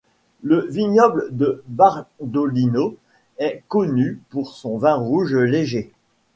Le vignoble de Bardolino est connu pour son vin rouge léger.